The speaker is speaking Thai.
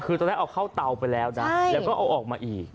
คือตอนแรกเอาเข้าเตาไปแล้วนะแล้วก็เอาออกมาอีก